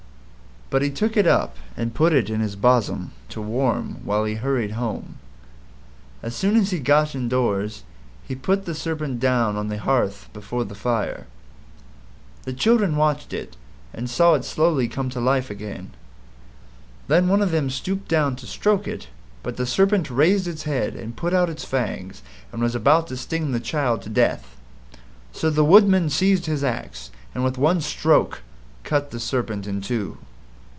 But he took it up and put it in his bosom to warm while he hurried home. As soon as he got indoors he put the Serpent down on the hearth before the fire. The children watched it and saw it slowly come to life again. Then one of them stooped down to stroke it, but the Serpent raised its head and put out its fangs and was about to sting the child to death. So the Woodman seized his axe, and with one stroke cut the Serpent in two.